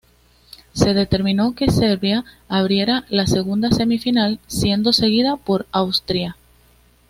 Se determinó que Serbia abriera la segunda semifinal, siendo seguida por Austria.